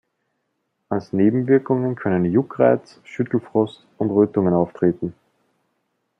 Als Nebenwirkungen können Juckreiz, Schüttelfrost und Rötungen auftreten.